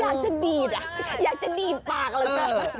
อยากจะดีดอ่ะอยากจะดีดปากเหลือเกิน